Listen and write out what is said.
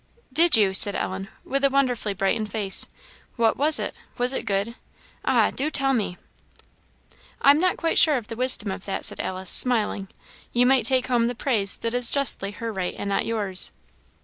"Did you?" said Ellen, with a wonderfully brightened face "what was it? was it good? ah! do tell me!" "I am not quite sure of the wisdom of that," said Alice, smiling: "you might take home the praise that is justly her right and not yours."